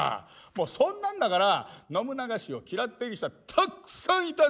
そんなんだから信長氏を嫌っている人はたくさんいたんです！